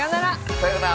さよなら。